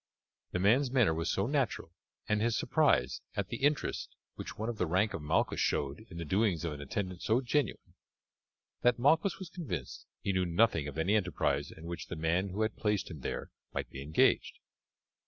The man's manner was so natural, and his surprise at the interest which one of the rank of Malchus showed in the doings of an attendant so genuine, that Malchus was convinced he knew nothing of any enterprise in which the man who had placed him there might be engaged.